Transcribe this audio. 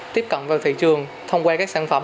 tiếp cận vào thị trường thông qua các sản phẩm